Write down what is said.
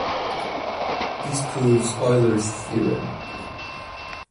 This proves Euler's theorem.